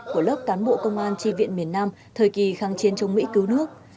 của lớp cán bộ công an tri viện miền nam thời kỳ kháng chiến chống mỹ cứu nước